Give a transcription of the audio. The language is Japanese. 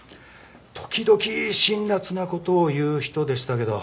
時々辛辣な事を言う人でしたけど。